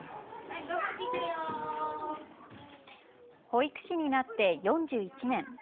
保育士になって４１年。